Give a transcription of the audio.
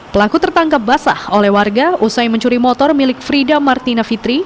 pelaku tertangkap basah oleh warga usai mencuri motor milik frida martina fitri